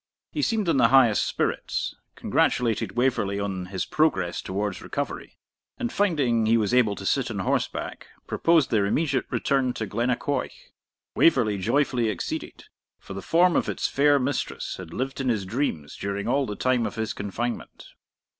He seemed in the highest spirits, congratulated Waverley on his progress towards recovery, and finding he was able to sit on horseback, proposed their immediate return to Glennaquoich. Waverley joyfully acceded, for the form of its fair mistress had lived in his dreams during all the time of his confinement.